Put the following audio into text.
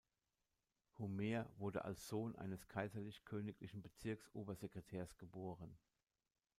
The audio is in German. Humer wurde als Sohn eines kaiserlich-königlichen Bezirks-Obersekretärs geboren.